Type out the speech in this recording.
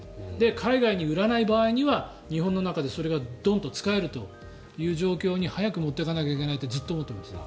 海外に売らない場合には日本の中でそれがドンと使えるという状況に早く持ってかなきゃいけないってずっと思ってます。